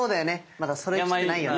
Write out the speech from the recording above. まだそろえきってないよね。